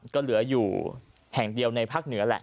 ก็เหลืออยู่แห่งเดียวในภาคเหนือแหละ